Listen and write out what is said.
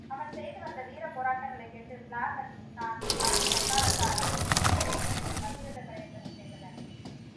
அவன் செய்துவந்த வீரப்போராட்டங்களைக் கேட்டுப் பிளாக் அன்டு டான் பட்டாளத்தார்.அவனைப்பிடிக்க வேண்டுமென்று பகீரதப் பிரயத்தனம் செய்தனர்.